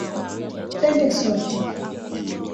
Twendeni sote.